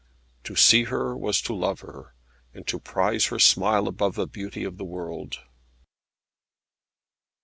To see her was to love her, and to prize her smile above the beauty of the world.